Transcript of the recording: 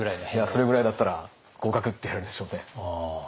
それぐらいだったら合格！って言われるでしょうね。